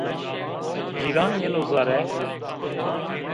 Cîran yeno zere